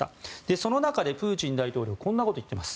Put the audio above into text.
その中で、プーチン大統領はこんなことを言っています。